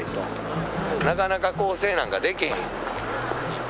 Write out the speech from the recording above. なかなか更生なんかできへん。